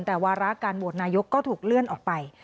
แต่วาระการโหวตนายกก็ถูกเลื่อนออกไป